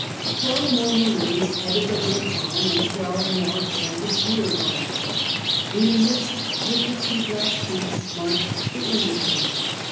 Twelve more Maroons headed the little column, and twelve more formed its rear guard. In the midst with the two black chiefs marched the Englishmen.